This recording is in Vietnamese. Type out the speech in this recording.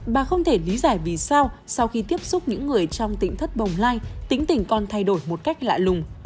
bà không thể lý giải vì sao sau khi tiếp xúc những người trong tỉnh thất bồng lai tính tình con thay đổi một cách lạ lùng